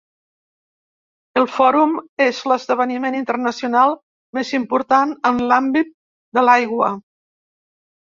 El Fòrum és l'esdeveniment internacional més important en l'àmbit de l'aigua.